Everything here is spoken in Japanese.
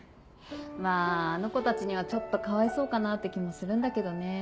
まぁあの子たちにはちょっとかわいそうかなって気もするんだけどね。